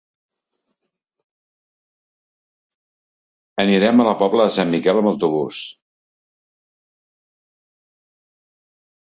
Anirem a la Pobla de Sant Miquel amb autobús.